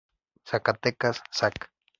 Zacatecas, Zac.